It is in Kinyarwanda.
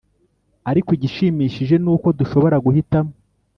Ariko igishimishije ni uko dushobora guhitamo